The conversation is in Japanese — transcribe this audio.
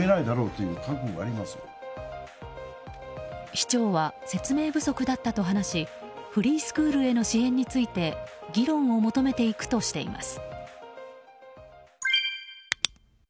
市長は説明不足だったと話しフリースクールへの支援について議論を求めていくとしています。